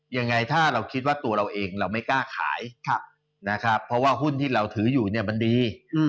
ยังไงถ้าเราคิดว่าตัวเราเองเราไม่กล้าขายนะครับเพราะว่าหุ้นที่เราถืออยู่เนี่ยมันดี